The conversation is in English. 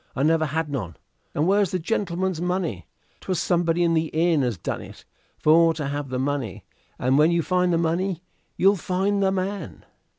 I never had none. And where's the gentleman's money? 'Twas somebody in the inn as done it, for to have the money, and when you find the money, you'll find the man."